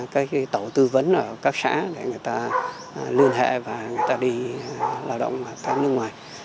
cái tổ tư vấn ở các xã để người ta liên hệ và người ta đi lao động ở các nước ngoài